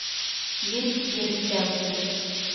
Ел ереккә үтер.